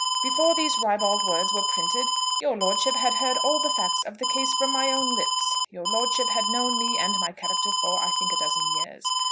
Before these ribald words were printed, your lordship had heard all the facts of the case from my own lips. Your lordship had known me and my character for, I think, a dozen years.